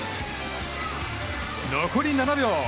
残り７秒。